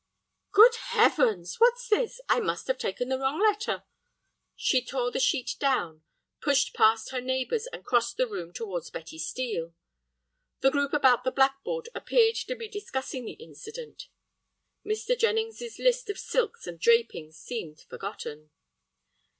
"Good Heavens!—what's this? I must have taken the wrong letter." She tore the sheet down, pushed past her neighbors, and crossed the room towards Betty Steel. The group about the black board appeared to be discussing the incident. Mr. Jennings's list of silks and drapings seemed forgotten.